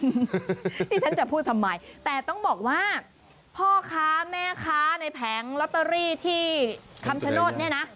นี่ฉันจะพูดทำไมแต่ต้องบอกว่าพ่อค้าแม่ค้าในแผงลอตเตอรี่ที่คำชโนธเนี่ยนะ